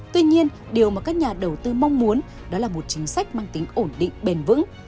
tuy nhiên điều mà các nhà đầu tư mong muốn đó là một chính sách mang tính ổn định bền vững